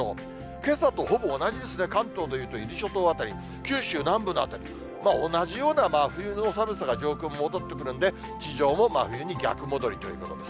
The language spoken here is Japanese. けさとほぼ同じですね、関東でいうと伊豆諸島辺り、九州南部の辺り、同じような真冬の寒さが上空に戻ってくるんで、地上も真冬に逆戻りということです。